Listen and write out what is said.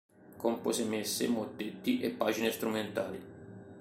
Compose messe, mottetti e pagine strumentali.